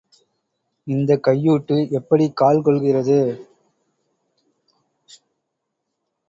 இந்தக் கையூட்டு எப்படிக் கால்கொள்கிறது?